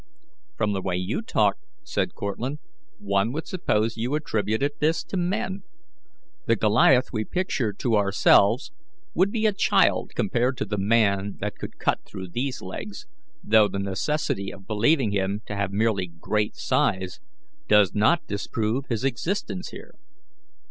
"From the way you talk," said Cortlandt, "one would suppose you attributed this to men. The Goliath we picture to ourselves would be a child compared to the man that could cut through these legs, though the necessity of believing him to have merely great size does not disprove his existence here.